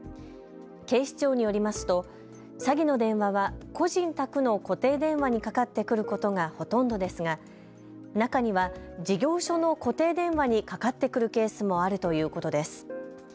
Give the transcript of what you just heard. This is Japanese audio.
警視庁によりますと詐欺の電話は個人宅の固定電話にかかってくることがほとんどですが、中には事業所の固定電話にかかってくるケースもあるということです。